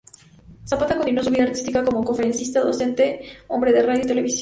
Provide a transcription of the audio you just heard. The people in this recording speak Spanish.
Zapata continuó su vida artística como conferencista, docente, hombre de radio y televisión.